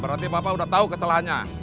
berarti bapak sudah tahu kesalahannya